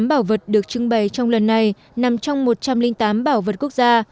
tám bảo vật được trưng bày trong lần này nằm trong một trăm linh tám bảo vật quốc gia